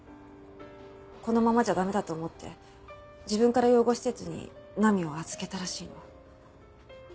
このままじゃ駄目だと思って自分から養護施設に菜美を預けたらしいわ。